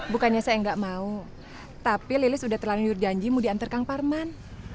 bukannya saya nggak mau tapi lilis udah terlangsung tiru janji mau diantar kang parman